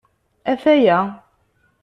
Ataya.